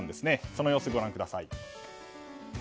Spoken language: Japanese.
その様子、ご覧ください。